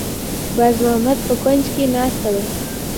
باز محمد په کونج کې ناسته وه.